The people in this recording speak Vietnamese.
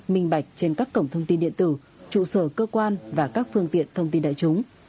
minh bạch trên các cổng thông tin điện tử trụ sở cơ quan và các phương tiện thông tin đại chúng